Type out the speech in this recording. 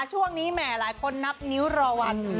ช่วงนี้แหมหลายคนแนบนิ้วรอวัน